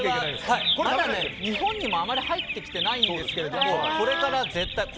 まだ日本にもあまり入ってきていないんですがこれから絶対。